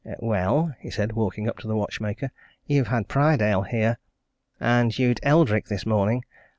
"Well?" he said, walking up to the watchmaker. "You've had Prydale here and you'd Eldrick this morning.